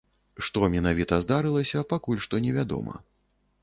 Што менавіта здарылася, пакуль што невядома.